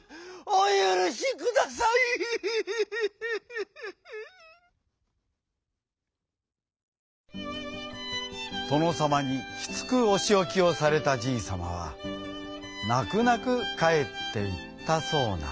おゆるしください！」。とのさまにきつくおしおきをされたじいさまはなくなくかえっていったそうな。